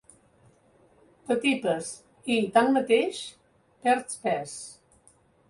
T'atipes i, tanmateix, perds pes.